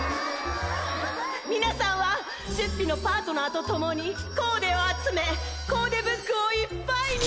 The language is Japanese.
皆さんはチュッピのパートナ−とともにコーデを集めコーデブックをいっぱいに！